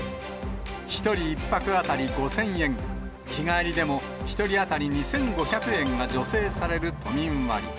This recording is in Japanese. １人１泊当たり５０００円、日帰りでも１人当たり２５００円が助成される都民割。